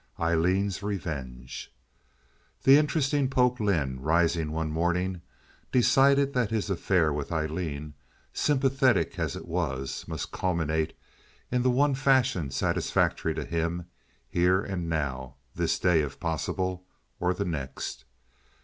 Aileen's Revenge The interesting Polk Lynde, rising one morning, decided that his affair with Aileen, sympathetic as it was, must culminate in the one fashion satisfactory to him here and now—this day, if possible, or the next.